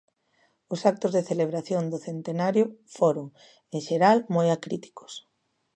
Os actos de celebración do centenario foron, en xeral, moi acríticos.